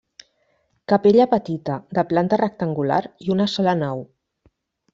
Capella petita, de planta rectangular i una sola nau.